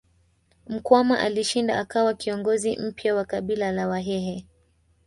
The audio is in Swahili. Mkwawa alishinda akawa kiongozi mpya wa kabila la Wahehe